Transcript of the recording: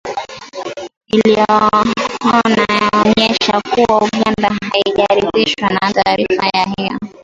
iliiona inaonyesha kuwa Uganda haijaridhishwa na taarifa hiyo ya